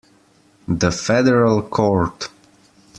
The federal court.